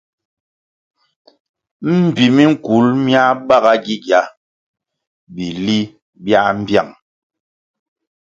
Mbpi minkul miáh bágá gigia bili biáh mbiang.